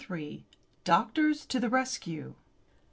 DOCTORS TO THE RESCUE!